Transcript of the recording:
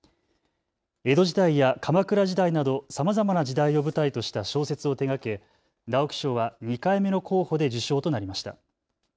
江戸時代や鎌倉時代などさまざまな時代を舞台とした小説を手がけ直木賞は２回目の候補で受賞となりました。